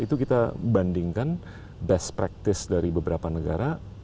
itu kita bandingkan best practice dari beberapa negara